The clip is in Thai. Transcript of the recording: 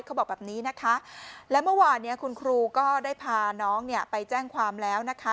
เขาบอกแบบนี้นะคะและเมื่อวานเนี่ยคุณครูก็ได้พาน้องเนี่ยไปแจ้งความแล้วนะคะ